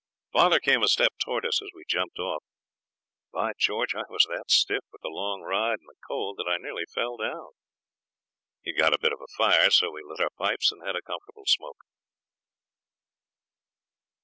Father came a step towards us as we jumped off. By George, I was that stiff with the long ride and the cold that I nearly fell down. He'd got a bit of a fire, so we lit our pipes and had a comfortable smoke.